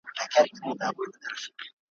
یوه ورځ یې د سپي سترګي وې تړلي ,